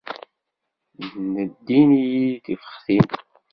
Neddin-iyi tifextin.